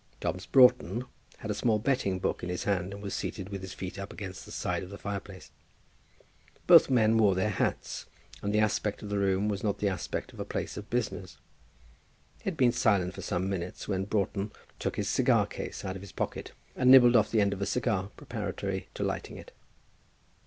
Dobbs Broughton had a small betting book in his hand, and was seated with his feet up against the side of the fireplace. Both men wore their hats, and the aspect of the room was not the aspect of a place of business. They had been silent for some minutes when Broughton took his cigar case out of his pocket, and nibbled off the end of a cigar, preparatory to lighting it.